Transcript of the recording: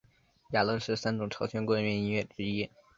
雅乐是三种朝鲜宫廷音乐之一。